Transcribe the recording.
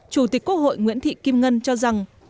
chủ tịch quốc hội nguyễn thị kim ngân cho rằng